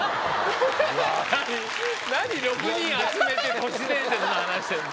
何６人集めて都市伝説の話してんだ。